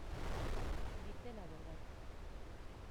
Dice la verdad.